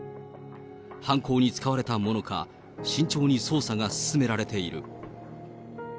犯行に使われたものか慎重に捜査が進められている。